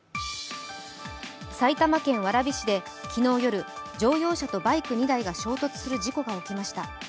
埼玉県蕨市で昨日夜、乗用車とバイク２台が衝突する事故が起きました。